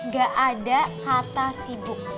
gak ada kata sibuk